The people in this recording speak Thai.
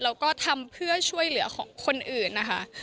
แล้วก็ทำเพื่อช่วยเหลือของคนอื่นนะคะ